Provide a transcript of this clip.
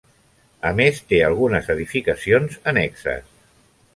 A més, té algunes edificacions annexes.